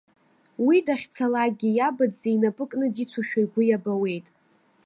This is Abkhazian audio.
Уи дахьцалакгьы иабаӡӡеи инапы кны дицушәа игәы иабауеит.